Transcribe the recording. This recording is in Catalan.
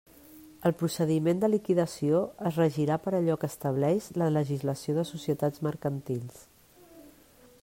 El procediment de liquidació es regirà per allò que estableix la legislació de societats mercantils.